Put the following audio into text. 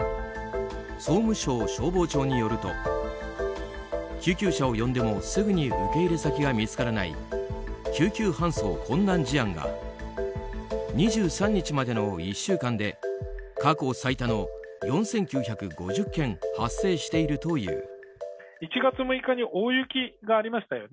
総務省消防庁によると救急車を呼んでもすぐに受け入れ先が見つからない救急搬送困難事案が２３日までの１週間で過去最多の４９５０件発生しているという。